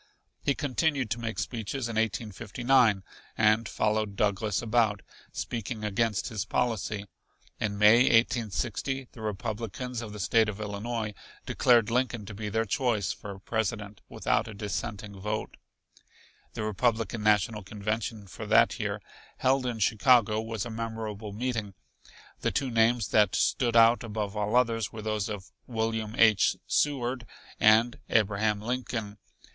He continued to make speeches in 1859 and followed Douglas about, speaking against his policy. In May, 1860, the Republicans of the State of Illinois declared Lincoln to be their choice for President without a dissenting vote. The Republican National Convention for that year, held in Chicago, was a memorable meeting. The two names that stood out above all others were those of William H. Seward and Abraham Lincoln.